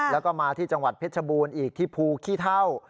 แล้วก็มาที่จังหวัดเพชรบูรณ์อีกที่ภูขี้เท่า